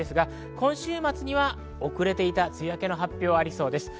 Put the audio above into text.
今週末には遅れていた梅雨明けの発表がありそうです。